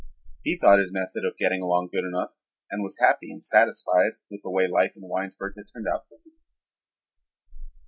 He thought his method of getting along good enough and was happy and satisfied with the way life in Winesburg had turned out for him.